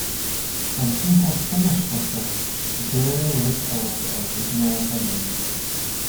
When he had finished with it, very little of the original remained.